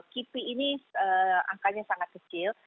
kipi ini angkanya sangat kecil